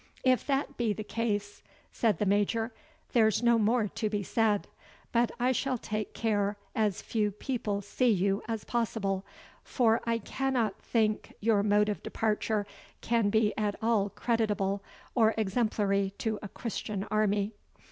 "If that be the case," said the Major, "there's no more to be said; but I shall take care as few people see you as possible, for I cannot think your mode of departure can be at all creditable or exemplary to a Christian army."